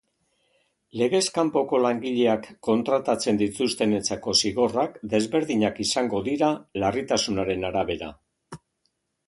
Legez kanpoko langileak kontratatzen dituztenentzako zigorrak desberdinak izango dira larritasunaren arabera.